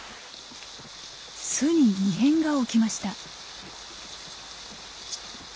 巣に異変が起きました。